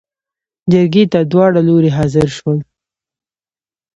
جرګې ته داوړه لورې حاضر شول.